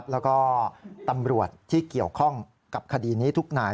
แล้วก็ตำรวจที่เกี่ยวข้องกับคดีนี้ทุกนาย